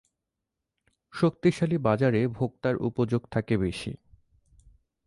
শক্তিশালী বাজারে ভোক্তার উপযোগ থাকে বেশি।